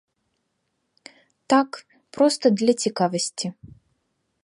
Так, проста для цікавасці.